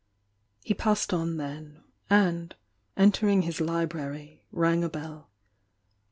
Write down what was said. He passed on then, and, entering his library, rang a bell.